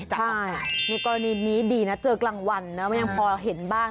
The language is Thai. ใช่ในกรณีนี้ดีนะเจอกลางวันนะมันยังพอเห็นบ้าง